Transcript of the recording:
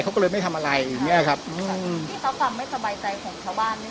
เขาก็เลยไม่ทำอะไรอย่างเงี้ยครับอืมที่เขาความไม่สบายใจของชาวบ้านเนี้ย